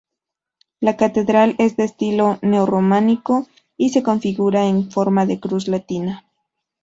La catedral es de estilo neo-románico, y se configura en forma de cruz latina.